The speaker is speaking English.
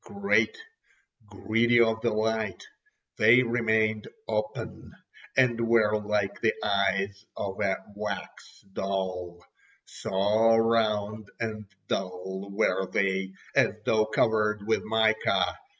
Great, greedy of the light, they remained open, and were like the eyes of a wax doll—so round and dull were they, as though covered with mica.